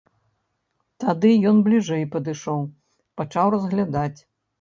Тады ён бліжэй падышоў, пачаў разглядаць.